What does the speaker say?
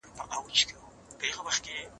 پايلې د شواهدو پر بنسټ وي.